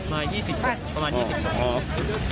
มา๒๐ต่อประมาณ๒๐ต่อ